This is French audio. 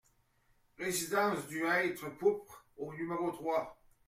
Résidence du Hêtre Pourpre au numéro trois